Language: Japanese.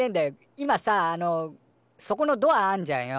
今さああのそこのドアあんじゃんよ。